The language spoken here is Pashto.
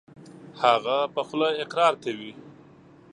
هغه په خوله اقرار کوي .